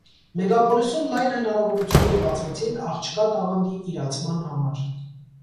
Մեգապոլիսում լայն հնարավորություններ բացվեցին աղջկա տաղանդի իրացման համար։